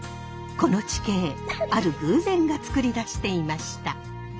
この地形ある偶然がつくり出していました。